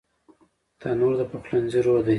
تنور د پخلنځي روح دی